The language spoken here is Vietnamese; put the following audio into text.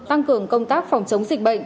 tăng cường công tác phòng chống dịch bệnh